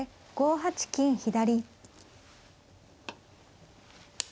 ５八金左。